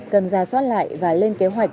cần ra soát lại và lên kế hoạch